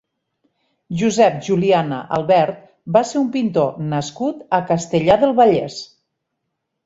Josep Juliana Albert va ser un pintor nascut a Castellar del Vallès.